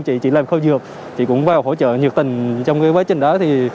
chị làm kho dược chị cũng vào hỗ trợ nhiệt tình trong quá trình đó